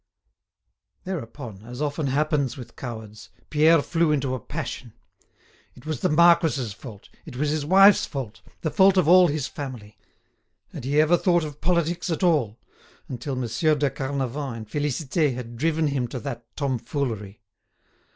Thereupon, as often happens with cowards, Pierre flew into a passion. It was the marquis's fault, it was his wife's fault, the fault of all his family. Had he ever thought of politics at all, until Monsieur de Carnavant and Félicité had driven him to that tomfoolery?